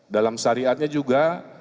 dalam syariatnya juga